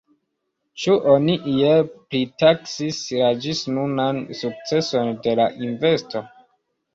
Ĉu oni iel pritaksis la ĝisnunan sukceson de la investo?